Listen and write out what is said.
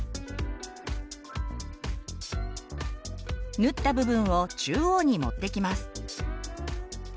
縫った部分を中央に持ってきます。